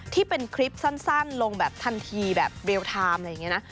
ที่เป็นคลิปสั้นลงแบบทันทีแบบเรียลไทม์อะไรอย่างนี้นะ